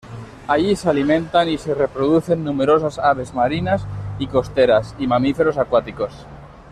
Allí se alimentan y se reproducen numerosas aves marinas y costeras y mamíferos acuáticos.